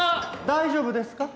大丈夫ですか？